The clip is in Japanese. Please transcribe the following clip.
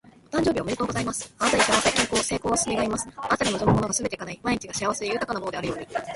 お誕生日おめでとうございます！あなたに幸せ、健康、成功を願います。あなたが望むものがすべて叶い、毎日が幸せで豊かなものであるように。